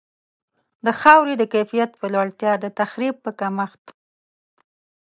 د خاورې د کیفیت په لوړتیا، د تخریب په کمښت.